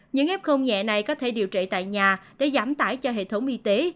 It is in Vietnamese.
những f nhẹ này có thể điều trị tại nhà để giảm tải cho hệ thống y tế